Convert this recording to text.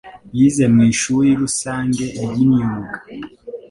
Yize mu ishuri rusange ryimyuga .